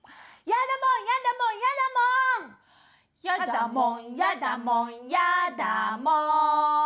やだもんやだもんやだもん。